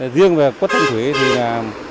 riêng về quất thanh thủy thì là